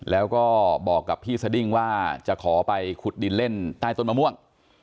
แล้วก็บอกกับพี่สดิ้งว่าจะขอไปขุดดินเล่นใต้ต้นมะม่วง